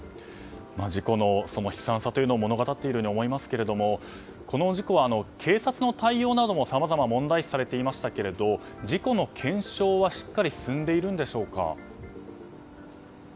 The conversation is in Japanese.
事故の悲惨さというのを物語っているように思いますがこの事故は警察の対応などもさまざま問題視されていましたが事故の検証はしっかり進んでいるんでしょうか。